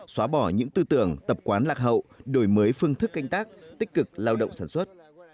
xóa bỏ những tư tưởng tập quán lạc hậu đổi mới phương thức canh tác tích cực lao động sản xuất